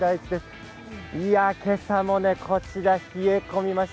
今朝もこちら冷え込みました。